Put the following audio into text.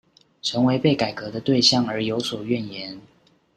成為被改革的對象而有所怨言